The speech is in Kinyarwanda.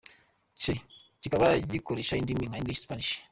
C, kikaba gikoresha indimi nka English, Spanish.